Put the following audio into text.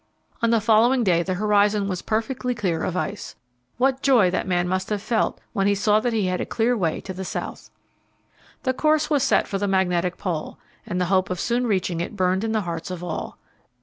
On the following day the horizon was perfectly clear of ice. What joy that man must have felt when he saw that he had a clear way to the South! The course was set for the Magnetic Pole, and the hope of soon reaching it burned in the hearts of all.